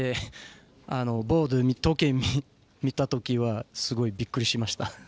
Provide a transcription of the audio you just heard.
ボードの時計を見たときはすごいびっくりしました。